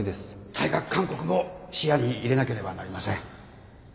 退学勧告も視野に入れなければなりません